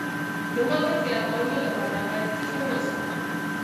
د وزن زیاتولو لپاره باید څه شی وڅښم؟